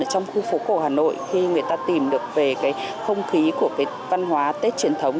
trong khu phố cổ hà nội khi người ta tìm được về cái không khí của cái văn hóa tết truyền thống